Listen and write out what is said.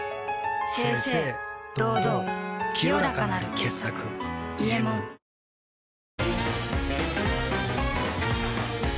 清々堂々清らかなる傑作「伊右衛門」生瀬）